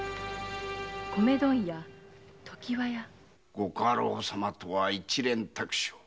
ご家老様とは一蓮托生。